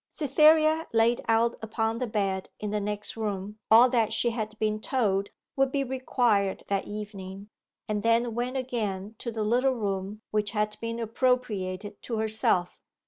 Cytherea laid out upon the bed in the next room all that she had been told would be required that evening, and then went again to the little room which had been appropriated to herself.